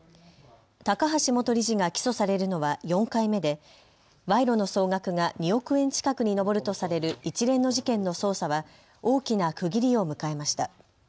高橋元理事が起訴されるのは４回目で、賄賂の総額が２億円近くに上るとされる一連の事件の捜査は大きな区切りを迎えました。